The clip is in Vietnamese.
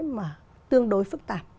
mà tương đối phức tạp